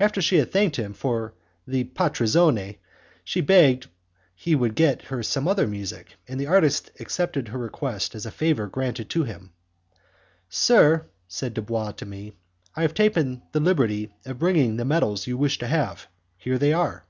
After she had thanked him for the 'partizione', she begged he would get her some other music, and the artist accepted her request as a favour granted to him. "Sir," said Dubois to me, "I have taken the liberty of bringing the medals you wished to have; here they are."